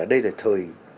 đây là thời